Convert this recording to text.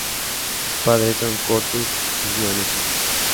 Sus padres son Curtis y Joan Smith.